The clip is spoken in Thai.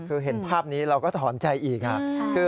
คือเห็นภาพนี้เราก็ถอนใจอีก